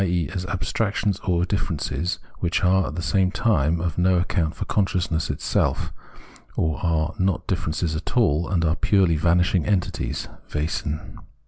e. as abstractions or differences, which are, at the same time, of no account for consciousness itself, or are not differences at all, and are purely vanishing entities (Wesen).